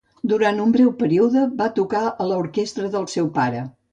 Durant un breu període va tocar a l'orquestra del seu pare.